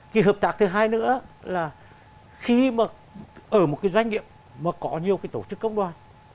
cái hợp tác thứ hai nữa là khi mà ở một cái doanh nghiệp mà có nhiều cái tổ chức công đoàn